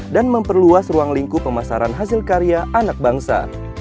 dan memperluas ruang lingkup pemasaran hasil karya anak bangsa